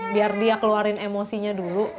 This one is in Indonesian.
biar dia keluarin emosinya dulu